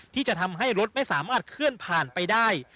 ที่จะทำให้รถไม่สามารถเคลื่อนผ่านไปได้